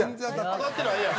当たってないやん。